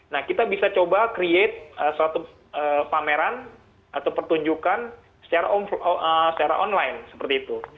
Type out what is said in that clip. nah kita bisa coba create suatu pameran atau pertunjukan secara online seperti itu